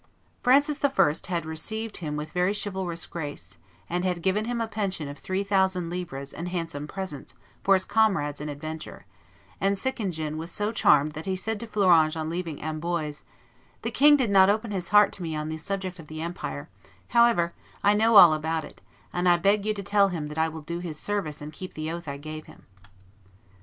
Francis I. had received him with very chivalrous grace, and had given him a pension of three thousand livres and handsome presents for his comrades in adventure; and Sickingen was so charmed that he said to Fleuranges on leaving Amboise, "The king did not open his heart to me on the subject of the empire; however, I know all about it, and I beg you to tell him that I will do his service and keep the oath I gave him."